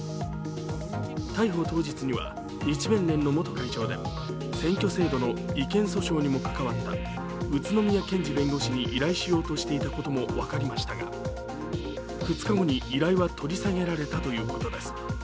逮捕当日には日弁連の元会長で選挙制度の違憲訴訟にも関わった宇都宮健児弁護士に依頼しようとしていたことも分かりましたが２日後に依頼は取り下げられたということです。